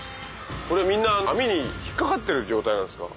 これみんな網に引っかかってる状態なんですか？